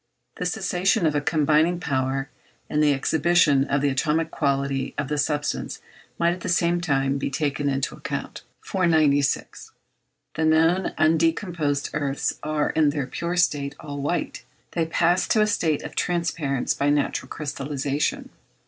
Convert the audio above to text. The cessation of a combining power, and the exhibition of the atomic quality of the substance might at the same time be taken into the account. 496. The known undecomposed earths are, in their pure state, all white. They pass to a state of transparence by natural crystallization.